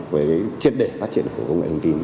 với chiến đề phát triển của công nghệ thông tin